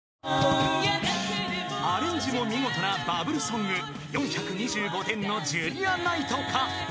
［アレンジも見事なバブルソング４２５点のジュリアナイトか？］